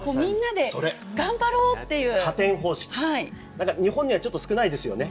だから日本にはちょっと少ないですよね